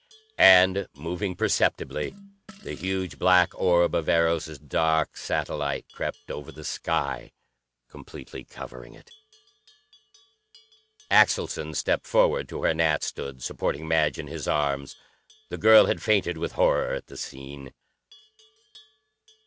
And, moving perceptibly, the huge black orb of Eros's dark satellite crept over the sky, completely covering it. Axelson stepped forward to where Nat stood, supporting Madge in his arms. The girl had fainted with horror at the scene.